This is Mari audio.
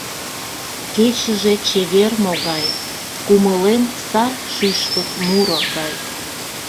Кечыже чевер могай, Кумылем сар шӱшпык муро гай.